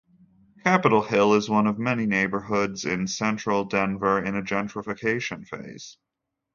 Capitol Hill is one of many neighborhoods in central Denver in a gentrification phase.